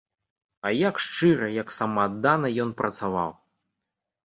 А як шчыра, як самааддана ён працаваў!